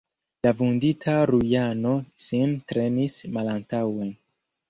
La vundita Rujano sin trenis malantaŭe.